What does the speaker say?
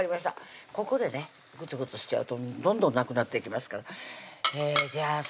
ここでねぐつぐつしちゃうとどんどんなくなっていきますからじゃあ